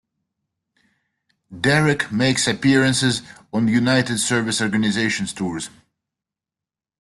Derek makes appearances on United Service Organizations tours.